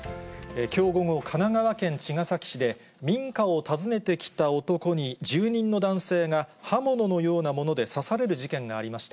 きょう午後、神奈川県茅ヶ崎市で、民家を訪ねてきた男に住人の男性が刃物のようなもので刺される事件がありました。